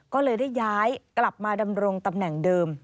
ก็เลยได้ย้ายกลับมาดำรงตำแหน่งเดิม